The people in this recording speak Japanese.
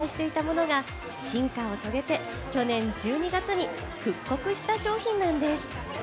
そんなカレーパン、実は２０年前に販売していたものが進化を遂げて去年１２月に復刻した商品なんです。